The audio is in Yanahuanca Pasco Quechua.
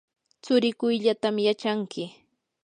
tsurikuyllatam yachanki.